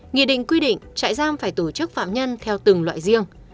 nghị định quy định trại giam phải tổ chức phạm nhân theo từng loại riêng